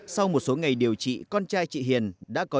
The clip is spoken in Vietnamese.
sau một số ngày điều trị con trai chị hiền đã có